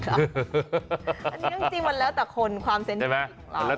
อันนี้จริงมันแล้วแต่คนความเซ็นต์ใช่ไหม